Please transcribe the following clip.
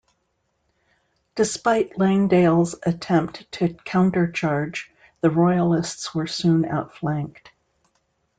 Despite Langdale's attempt to counter-charge, the Royalists were soon outflanked.